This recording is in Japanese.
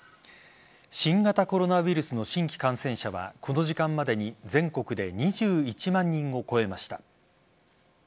新型コロナウイルスの新規感染者はこの時間までに全国で２１万人を超えました。